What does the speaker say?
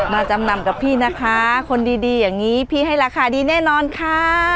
จำนำกับพี่นะคะคนดีดีอย่างนี้พี่ให้ราคาดีแน่นอนค่ะ